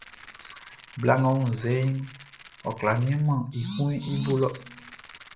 Bla ngʼɔ wunnzɛʼn, ɔ kwlá nianmɛn i kuanʼn i bo lɔ.